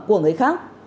của người khác